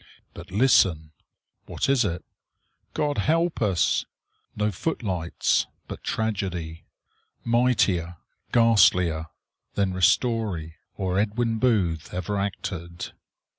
But listen. What is it? "God help us!" No footlights, but tragedy mightier, ghastlier than Ristori or Edwin Booth ever acted.